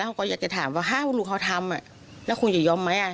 แล้วก็อยากจะถามว่าถ้าลูกเค้าทำแล้วคุณจะยอมไหม